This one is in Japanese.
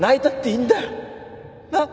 なっ